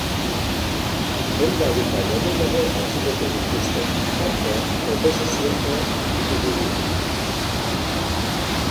Ehun lagun baino gehiago atxilotu dituzte, tartean oposizioko hiru buru.